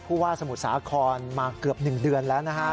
ผู้ว่าสมุทรสาครมาเกือบ๑เดือนแล้วนะครับ